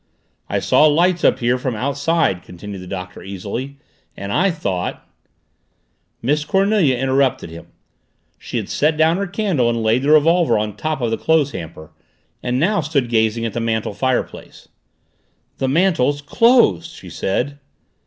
"I saw lights up here from outside," continued the Doctor easily. "And I thought " Miss Cornelia interrupted him. She had set down her candle and laid the revolver on the top of the clothes hamper and now stood gazing at the mantel fireplace. "The mantel's closed!" she said.